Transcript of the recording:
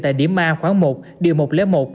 tại điểm a khoảng một điều một trăm linh một